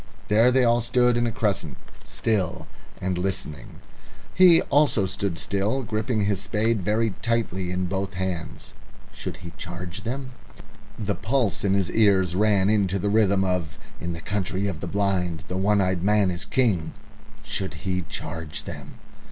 There they all stood in a crescent, still and listening. He also stood still, gripping his spade very tightly in both hands. Should he charge them? The pulse in his ears ran into the rhythm of "In the Country of the Blind the One eyed Man is King!" Should he charge them?